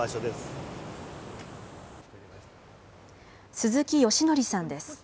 鈴木良則さんです。